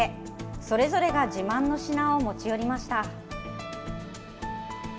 それぞれが自慢の品を持ち寄りました。